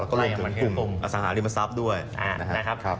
แล้วก็รวมถึงกลุ่มอสังหาริมทรัพย์ด้วยนะครับ